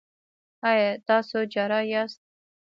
ایا تاسو جراح یاست؟